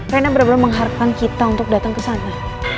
rena bener bener mengharapkan kita untuk datang kesana